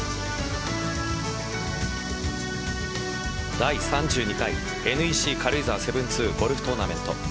第３２回ＮＥＣ軽井沢７２ゴルフトーナメント。